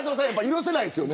許せないですよね。